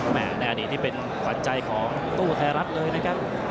ในอดีตที่เป็นขวัญใจของตู้ไทยรัฐเลยนะครับ